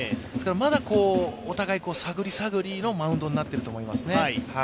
まだ、お互い探り探りのマウンドになっていると思います。